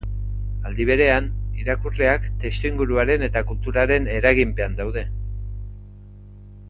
Aldi berean, irakurleak testuinguruaren eta kulturaren eraginpean daude.